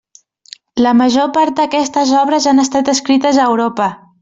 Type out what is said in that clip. La major part d'aquestes obres han estat escrites a Europa.